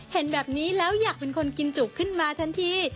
เห็นแบบนี้แล้วอยากเป็นคนกินจุขึ้นมาทันที